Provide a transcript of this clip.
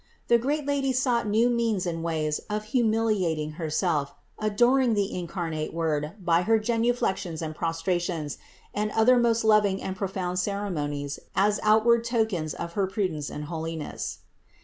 The great Lady sought new means and ways of humiliating Herself, adoring the in carnate Word by her genuflections and prostrations and other most loving and profound ceremonies as outward tokens of her prudence and holiness.